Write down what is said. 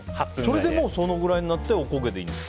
それでそのくらいになっておこげでいいんですか。